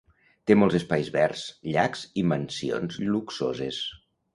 Té molts espais verds, llacs i mansions luxoses.